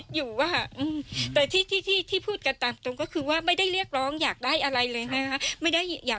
ใช่กลัวเพราะว่าถ้าเกิดว่ามันผิดผลาดอะไร